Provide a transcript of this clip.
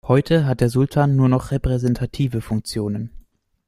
Heute hat der Sultan nur noch repräsentative Funktionen.